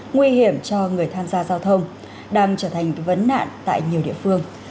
nguy hiểm cho người tham gia giao thông đang trở thành vấn nạn tại nhiều địa phương